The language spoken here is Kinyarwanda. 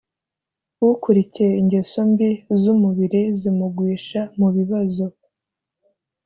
Ukurikiye ingeso mbi zumubiri zimugwisha mubibazo